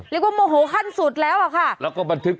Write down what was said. แต่เธอก็พอมีสติฟังรู้เรื่องอะว่าแท็กซี่พูดอะไรกับเธอ